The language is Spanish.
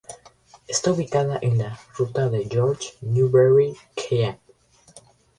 Está ubicada en la Ruta Jorge Newbery Km.